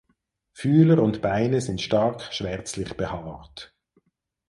Fühler und Beine sind stark schwärzlich behaart.